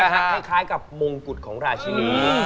แค่คล้ายกับมงกุ่นของลาชินี